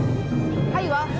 はいは？